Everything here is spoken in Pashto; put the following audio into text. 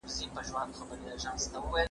د تېرو لسیزو تاریخ په سمه توګه مطالعه کړئ.